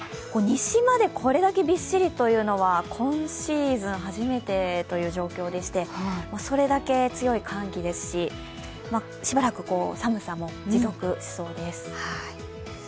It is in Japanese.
西までこれだけびっしりというのは今シーズン初めてという状況でして、それだけ強い寒気ですししばらく寒さも持続しそうです。